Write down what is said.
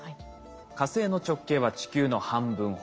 火星の直径は地球の半分ほど。